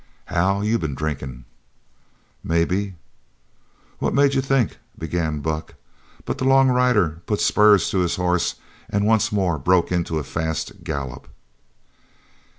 "Hal, you been drinkin'." "Maybe." "What made you think " began Buck, but the long rider put spurs to his horse and once more broke into a fast gallop.